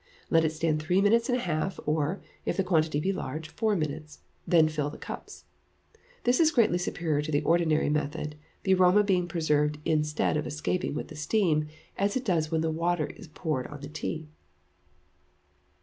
Let it stand three minutes and a half, or, if the quantity be large, four minutes, then fill the cups. This is greatly superior to the ordinary method, the aroma being preserved instead of escaping with the steam, as it does when the water is poured on the tea.